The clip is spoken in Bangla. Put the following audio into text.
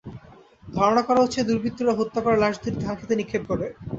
ধারণা করা হচ্ছে, দুর্বৃত্তরা হত্যা করে লাশ দুটি ধানখেতে নিক্ষেপ করে।